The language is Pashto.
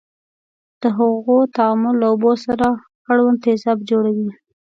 د هغو تعامل له اوبو سره اړوند تیزاب جوړوي.